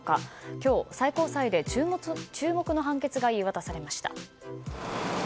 今日、最高裁で注目の判決が言い渡されました。